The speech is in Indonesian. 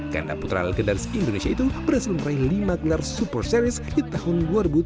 ganda putra legendaris indonesia itu berhasil meraih lima gelar super series di tahun dua ribu tujuh belas